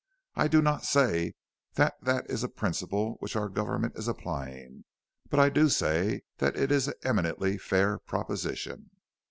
I do not say that that is a principle which our government is applying, but I do say that it is an eminently fair proposition.